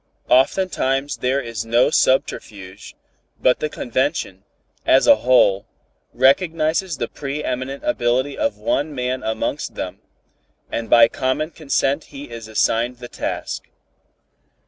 "Oftentimes there is no subterfuge, but the convention, as a whole, recognizes the pre eminent ability of one man amongst them, and by common consent he is assigned the task."